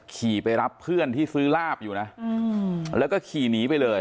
ขี่ไปรับเพื่อนที่ซื้อลาบอยู่นะแล้วก็ขี่หนีไปเลย